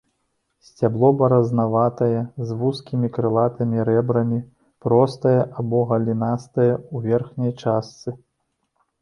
Сцябло баразнаватае, з вузкімі крылатымі рэбрамі, простае або галінастае ў верхняй частцы.